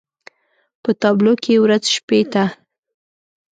په تابلو کې يې ورځ شپې ته